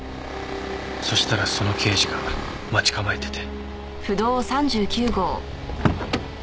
そしたらその刑事が待ち構えてて。